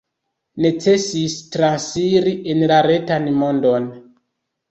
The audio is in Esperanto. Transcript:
Necesis transiri en la retan mondon.